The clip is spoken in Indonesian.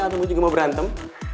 atau lo juga mau berantem